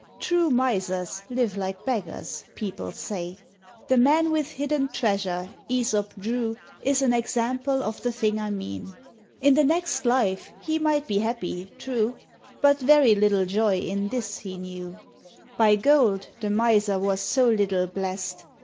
True Misers live like beggars, people say; The man with hidden treasure Æsop drew Is an example of the thing I mean. In the next life he might be happy, true; But very little joy in this he knew; [Illustration: THE MISER WHO LOST HIS TREASURE.] By gold the Miser was so little blessed.